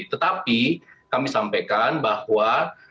tetapi kami sampaikan bahwa